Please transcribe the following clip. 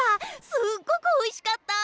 すっごくおいしかった！